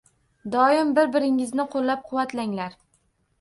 Doim bir-biringizni qoʻllab-quvvatlanglar.